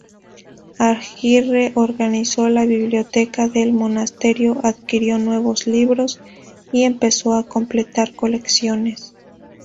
Agirre organizó la biblioteca del monasterio, adquirió nuevos libros y empezó a completar colecciones.